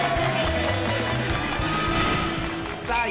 さあ